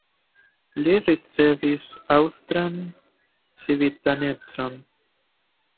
Li ricevis aŭstran civitanecon.